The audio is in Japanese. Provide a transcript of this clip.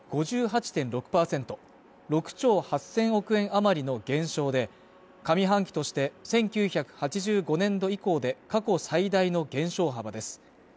余りの減少で上半期として１９８５年度以降で過去最大の減少幅です